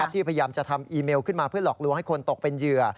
ที่พยายามจะทำอีเมลขึ้นมาเพื่อหลอกลวงให้คนตกเป็นเหยื่อ